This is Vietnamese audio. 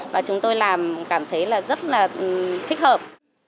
và chúng tôi làm cảm thấy là rất là thích hợp